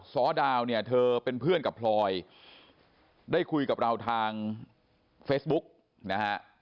ซ้อดาวเนี่ยเธอเป็นเพื่อนกับพลอยได้คุยกับเราทางเฟซบุ๊กนะฮะ